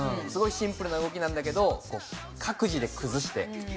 すごいシンプルな動きなんだけど各自で崩して。